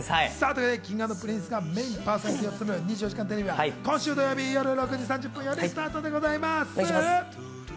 岸君をはじめとする、Ｋｉｎｇ＆Ｐｒｉｎｃｅがメインパーソナリティーを務める『２４時間テレビ』は今週土曜日、夜６時３０分からスタートです。